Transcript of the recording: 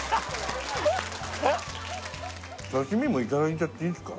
刺身もいただいちゃっていいんすか？